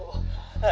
はい。